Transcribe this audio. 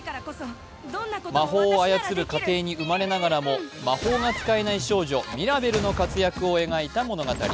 魔法を操る家庭に生まれながらも魔法が使えない少女・ミラベルの活躍を描いた物語。